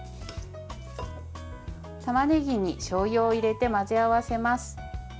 たまねぎにしょうゆを入れて混ぜ合わせます。